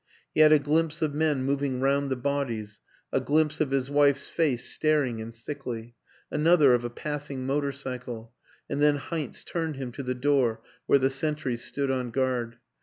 He had a glimpse of men moving round the bodies, a glimpse of his wife's face staring and sickly, another of a passing motor cycle, and then Heinz turned him to the door where the sentries stood on guard.